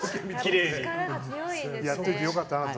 やっといてよかったなと。